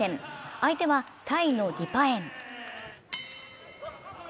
相手はタイのディパエン。